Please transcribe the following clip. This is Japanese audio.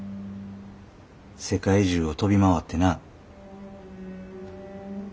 世界中を飛び回ってな。